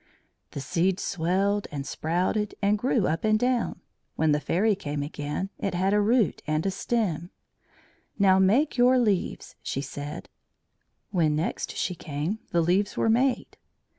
The seed swelled and sprouted, and grew up and down; when the Fairy came again it had a root and a stem. "Now make your leaves," she said; when next she came the leaves were made.